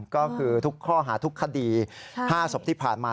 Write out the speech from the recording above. ก็คือทุกข้อหาทุกคดี๕ศพที่ผ่านมา